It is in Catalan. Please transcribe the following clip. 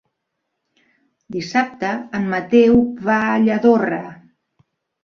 Dissabte en Mateu va a Lladorre.